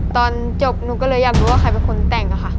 ตอนจบหนูก็เลยอยากรู้ว่าใครเป็นคนแต่งค่ะ